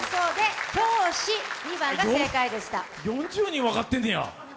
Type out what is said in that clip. ４０人分かってんねや。